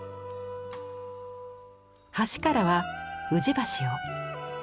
橋からは宇治橋を。